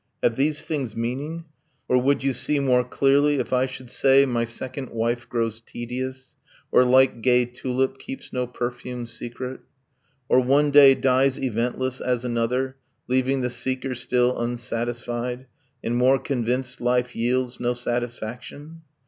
Have these things meaning? Or would you see more clearly If I should say 'My second wife grows tedious, Or, like gay tulip, keeps no perfumed secret'? Or 'one day dies eventless as another, Leaving the seeker still unsatisfied, And more convinced life yields no satisfaction'?